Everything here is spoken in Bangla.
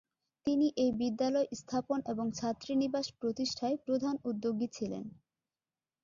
তিনি এই বিদ্যালয় স্থাপন এবং ছাত্রীনিবাস প্রতিষ্ঠায় প্রধান উদ্যোগী ছিলেন।